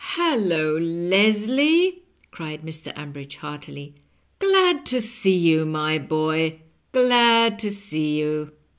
." Hallo, Leslie 1 " cried Mr. Ambridge heartily ;^ glad to see you, roj boy — ^glad to see you